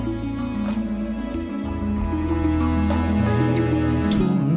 ปัจจุบันครูสมครับ